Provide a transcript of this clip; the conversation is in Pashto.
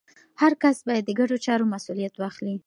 هر کس باید د ګډو چارو مسوولیت واخلي.